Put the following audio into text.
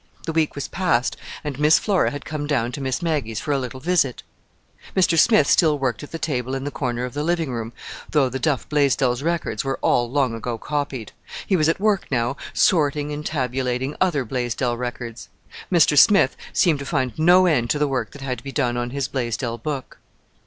The week was past, and Miss Flora had come down to Miss Maggie's for a little visit. Mr. Smith still worked at the table in the corner of the living room, though the Duff Blaisdell records were all long ago copied. He was at work now sorting and tabulating other Blaisdell records. Mr. Smith seemed to find no end to the work that had to be done on his Blaisdell book.